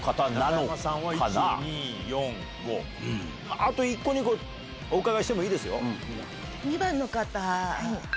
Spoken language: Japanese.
あと１個２個お伺いしてもいいですよ。